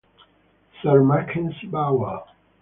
Sir Mackenzie Bowell.